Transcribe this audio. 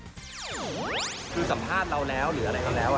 คือสัมภาษณ์เราแล้วหรืออะไรก็แล้ว